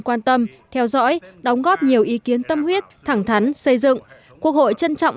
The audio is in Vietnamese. quan tâm theo dõi đóng góp nhiều ý kiến tâm huyết thẳng thắn xây dựng quốc hội trân trọng